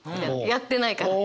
やってないから。